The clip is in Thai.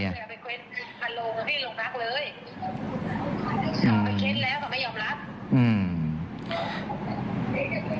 จอบไปเค้นแล้วที่ไม่ยอมรัก